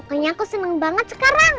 aku senang banget sekarang